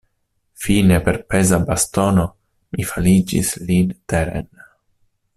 Fine per peza bastono mi faligis lin teren.